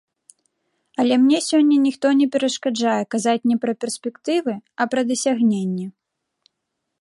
Але мне сёння ніхто не перашкаджае казаць не пра перспектывы, а пра дасягненні.